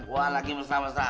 wah lagi masalah masalah